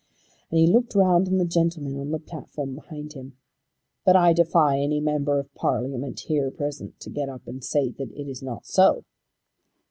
And he looked round on the gentlemen on the platform behind him. "But I defy any member of Parliament here present to get up and say that it is not so."